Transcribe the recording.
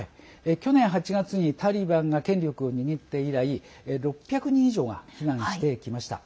去年８月にタリバンが権力を握って以来６００人以上が避難してきました。